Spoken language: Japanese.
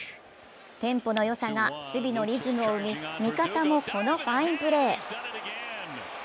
テンポのよさが守備のリズムを生み味方もこのファインプレー。